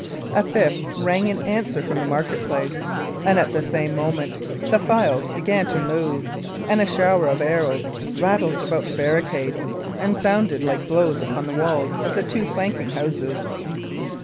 A fifth rang in answer from the market place, and at the same moment the files began to move, and a shower of arrows rattled about the barricade, and sounded like blows upon the walls of the two flanking houses.